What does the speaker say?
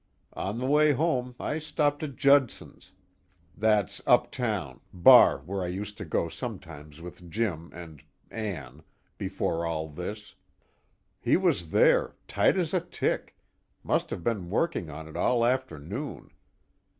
On the way home I stopped at Judson's that's uptown, bar where I used to go sometimes with Jim and Ann, before all this. He was there, tight as a tick, must have been working on it all afternoon.